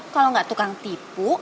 kalau enggak tukang tipu